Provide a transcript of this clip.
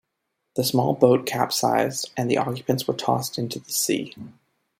The small boat capsized and the occupants were tossed into the sea.